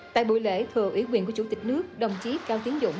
tại buổi lễ thừa ủy quyền của chủ tịch nước đồng chí cao tiến dũng